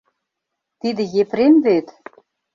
Тиде Епрем вет?